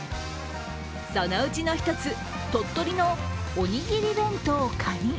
そのうちの１つ、鳥取のおにぎり弁当蟹。